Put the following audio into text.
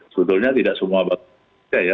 sebetulnya tidak semua bangsa indonesia ya